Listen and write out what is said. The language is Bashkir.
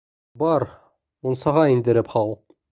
Бар, мунсаға индереп һал.